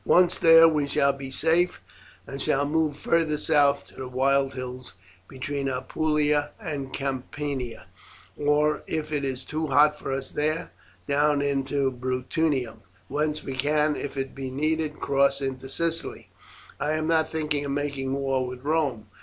Once there we shall be safe, and shall move farther south to the wild hills between Apulia and Campania, or if it is too hot for us there, down into Bruttium, whence we can, if it be needed, cross into Sicily. I am not thinking of making war with Rome.